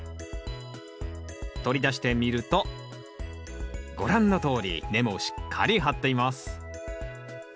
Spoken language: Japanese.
取り出してみるとご覧のとおり根もしっかり張っています